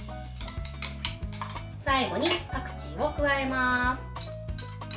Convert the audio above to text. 最後にパクチーを加えます。